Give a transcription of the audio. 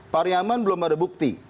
pariyaman belum ada bukti